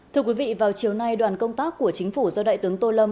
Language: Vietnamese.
thưa quý vị vào chiều nay đoàn công tác của chính phủ do đại tướng tô lâm